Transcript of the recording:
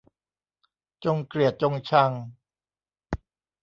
จงเกลียดจงชัง